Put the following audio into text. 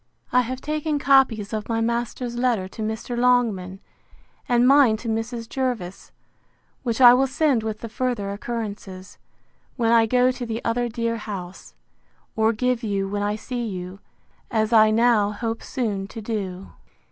I have taken copies of my master's letter to Mr. Longman, and mine to Mrs. Jervis, which I will send with the further occurrences, when I go to the other dear house, or give you when I see you, as I now hope soon to do.